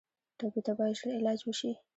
ټپي ته باید ژر علاج وشي.